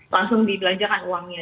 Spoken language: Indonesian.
langsung dibelanjakan uangnya